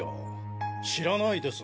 知らないです